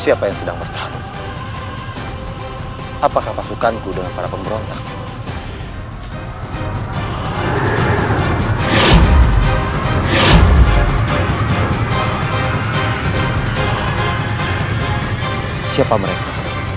apakah mereka orang suruhanan gabuasa